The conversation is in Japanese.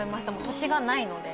土地がないので。